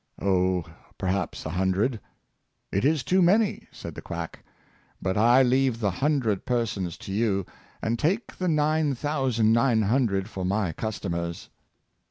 " Oh, perhaps a hundred !"" It is too many," said the quack; "but I leave the hundred persons to you, and take the nine thousand and nine hundred for my customers